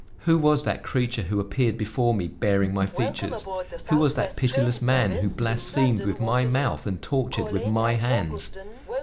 Who was that creature who appeared before me bearing my features? Who was that pitiless man who blasphemed with my mouth and tortured with my hands?